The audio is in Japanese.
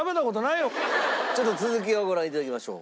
ちょっと続きをご覧頂きましょう。